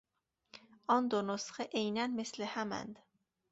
آن دو نسخه عینا مثل هماند.